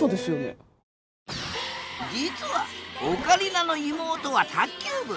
実はオカリナの妹は卓球部。